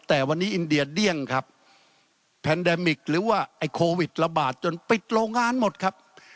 แต่วันนี้อินเดียเดี้ยงครับแพนแดมิกหรือว่าไอ้โควิดระบาดจนปิดโรงงานหมดครับ